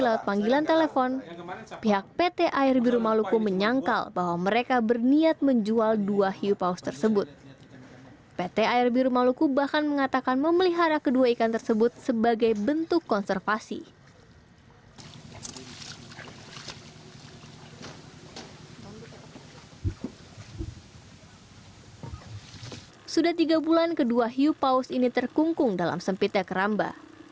sudah tiga bulan kedua hiu paus ini terkungkung dalam sempitnya keramba